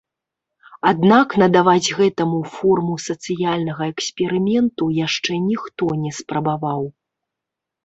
Аднак надаваць гэтаму форму сацыяльнага эксперыменту яшчэ ніхто не спрабаваў.